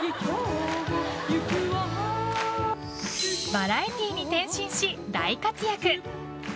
バラエティーに転身し大活躍！